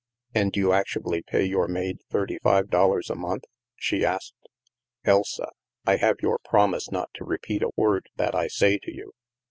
" And you actually pay your maid thirty five dol lars a month ?" she asked. " Elsa, I have your promise not to repeat a word that I say to you?